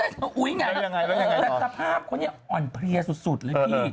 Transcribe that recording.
แต่สภาพคนนี้อ่อนเพลียสุดเลยพี่